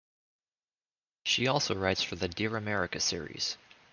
She also writes for the "Dear America" series.